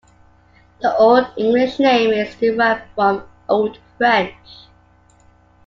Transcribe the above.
The Old English name is derived from Old French.